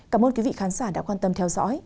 cảm ơn quý vị khán giả đã quan tâm theo dõi